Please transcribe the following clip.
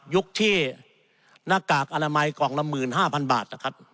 ยุคที่หน้ากากอนามัยกล่องละ๑๕๐๐๐บาท